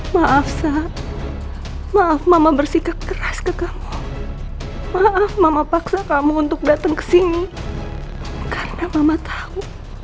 maaf sab maaf mama bersikap keras ke kamu maaf mama paksa kamu untuk datang ke sini karena mama tahu